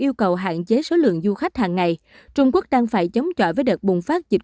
yêu cầu hạn chế số lượng du khách hàng ngày trung quốc đang phải chống chọi với đợt bùng phát dịch